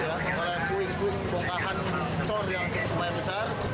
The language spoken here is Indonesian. oleh puing puing bongkahan cor yang cukup besar